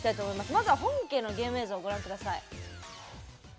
まずは、本家のゲーム映像をご覧ください。